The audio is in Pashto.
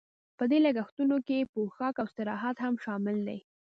په دې لګښتونو کې پوښاک او استراحت هم شامل دي